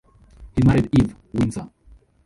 He married Eve Winsor.